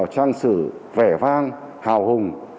trang sử vẻ vang hào hùng